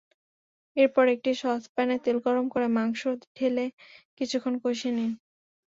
এরপর একটি সসপ্যানে তেল গরম করে মাংস ঢেলে কিছুক্ষণ কষিয়ে নিন।